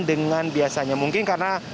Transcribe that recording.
dengan biasanya mungkin karena